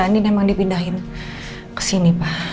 iya andin emang dipindahin ke sini pa